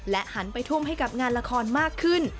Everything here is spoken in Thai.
หันไปทุ่มให้กับงานละครมากขึ้น